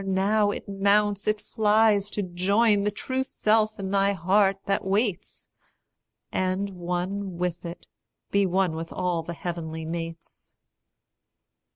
now it mounts, it flies, To join the true self in thy heart that waits, And, one with it, be one with all the heavenly mates.